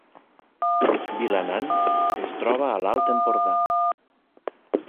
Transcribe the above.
Vilanant es troba a l’Alt Empordà